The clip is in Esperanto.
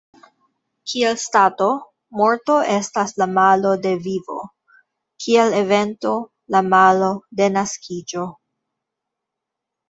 Kiel stato, morto estas la malo de vivo; kiel evento, la malo de naskiĝo.